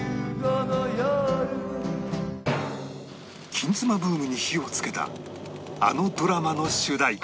『金妻』ブームに火をつけたあのドラマの主題歌